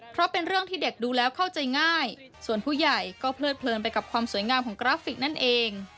เพราะเป็นเรื่องที่เด็กดูแล้วเข้าใจง่ายส่วนผู้ใหญ่ก็เพลิดเพลินไปกับความสวยงามของกราฟิกนั่นเอง